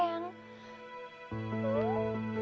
sampai lagi dulu ya